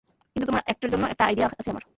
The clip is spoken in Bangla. কিন্তু তোমার অ্যাক্টের জন্য একটা আইডিয়া আছে আমার।